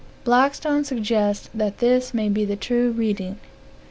Blackstone suggests that this may be the true reading.